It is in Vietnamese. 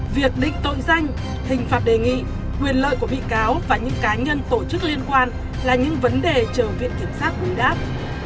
việc định tội danh hình phạt đề nghị quyền lợi của bị cáo và những cá nhân tổ chức liên quan là những vấn đề chờ viện kiểm sát bù đáp